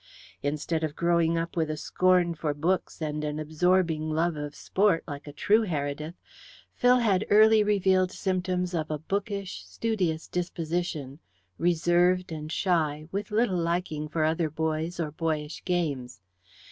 Instead of growing up with a scorn for books and an absorbing love of sport, like a true Heredith, Phil had early revealed symptoms of a bookish, studious disposition, reserved and shy, with little liking for other boys or boyish games.